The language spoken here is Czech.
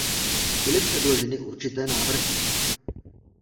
Byly předloženy určité návrhy.